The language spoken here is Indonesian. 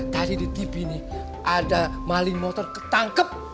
tadi di tv nih ada maling motor ketangkep